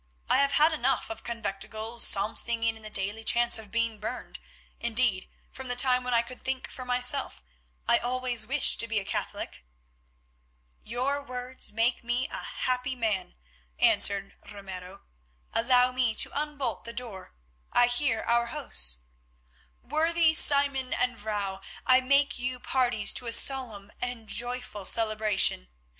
"I have had enough of conventicles, psalm singing, and the daily chance of being burned; indeed, from the time when I could think for myself I always wished to be a Catholic." "Your words make me a happy man," answered Ramiro. "Allow me to unbolt the door, I hear our hosts. Worthy Simon and Vrouw, I make you parties to a solemn and joyful celebration.